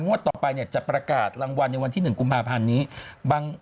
ต่อไปเนี่ยจะประกาศรางวัลในวันที่๑กุมภาพันธ์นี้